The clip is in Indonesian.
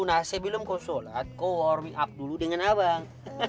nah saya bilang kau sholat kok warming up dulu dengan abang